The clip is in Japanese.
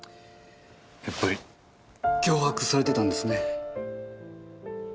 やっぱり脅迫されてたんですね。